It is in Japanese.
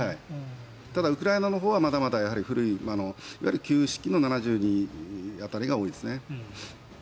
ただ、ウクライナのほうはまだまだ古いいわゆる旧式の７２辺りが多いですね。